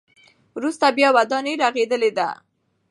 وروسته بیا ودانۍ رغېدلې ده.